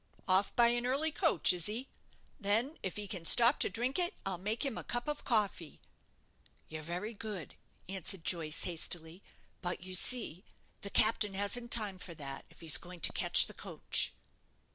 "Off by an early coach, is he? Then, if he can stop to drink it, I'll make him a cup of coffee." "You're very good," answered Joyce, hastily; "but you see, the captain hasn't time for that, if he's going to catch the coach."